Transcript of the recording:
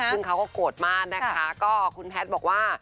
ซึ่งเขาก็โกรธมากนะคะก็คุณแพทย์บอกว่า